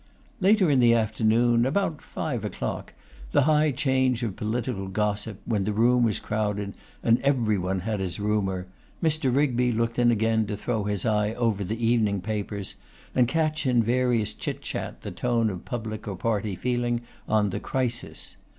Later in the afternoon, about five o'clock, the high change of political gossip, when the room was crowded, and every one had his rumour, Mr. Rigby looked in again to throw his eye over the evening papers, and catch in various chit chat the tone of public or party feeling on the 'crisis.